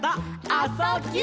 「あ・そ・ぎゅ」